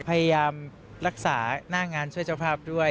พยายามรักษาหน้างานช่วยเจ้าภาพด้วย